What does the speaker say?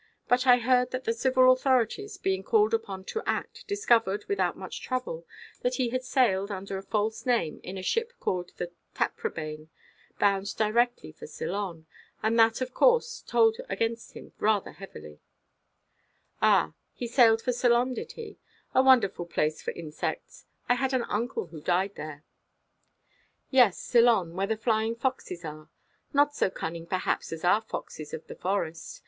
But I heard that the civil authorities, being called upon to act, discovered, without much trouble, that he had sailed, under a false name, in a ship called the Taprobane, bound direct for Ceylon. And that, of course, told against him rather heavily." "Ah, he sailed for Ceylon, did he? A wonderful place for insects. I had an uncle who died there." "Yes, Ceylon, where the flying foxes are. Not so cunning, perhaps, as our foxes of the Forest.